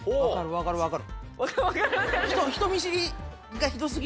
分かる分かるって。